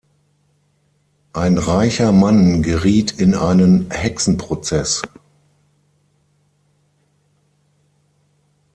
Ein reicher Mann geriet in einen Hexenprozess.